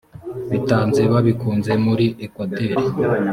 bitanze babikunze muri ekwateri